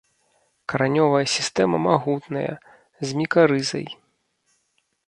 Каранёвая сістэма магутная, з мікарызай.